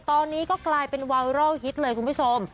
ตอนนี้ก็กลายเป็นไวรัลฮิตเลยคุณผู้ชม